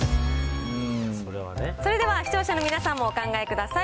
それでは視聴者の皆さんもお考えください。